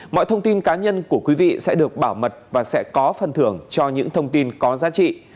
mọi thông tin cá nhân của quý vị sẽ được bảo mật và sẽ có phần thưởng cho những thông tin có giá trị